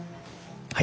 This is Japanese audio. はい。